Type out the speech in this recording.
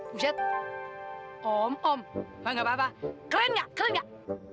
buset om om wah gak apa apa keren gak keren gak